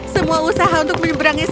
semua usaha untuk menyeberangi